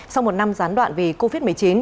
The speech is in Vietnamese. sau một năm gián đoạn vì covid một mươi chín